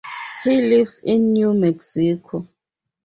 He lives in New Mexico.